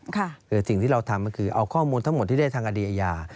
คือสิ่งที่เราทำก็คือเอาข้อมูลทั้งหมดที่ได้ทางคดีอาญา